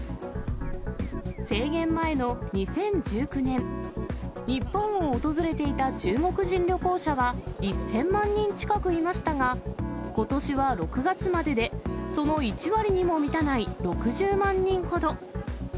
制限前の２０１９年、日本を訪れていた中国人旅行者は１０００万人近くいましたが、ことしは６月までで、その１割にも満たない６０万人ほど。